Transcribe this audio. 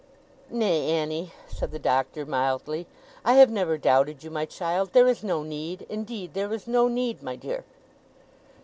'Nay, Annie,' said the Doctor, mildly, 'I have never doubted you, my child. There is no need; indeed there is no need, my dear.